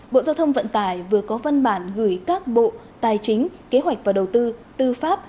bộ giao thông vận tải vừa có văn bản gửi các bộ tài chính kế hoạch và đầu tư tư pháp